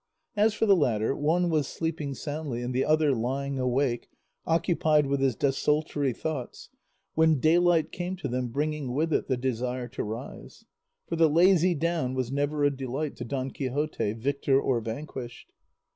As for the latter, one was sleeping soundly and the other lying awake occupied with his desultory thoughts, when daylight came to them bringing with it the desire to rise; for the lazy down was never a delight to Don Quixote, victor or vanquished.